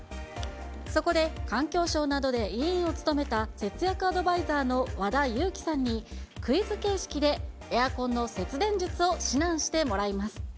そこで、環境省などで委員を務めた節約アドバイザーの和田由貴さんに、クイズ形式でエアコンの節電術を指南してもらいます。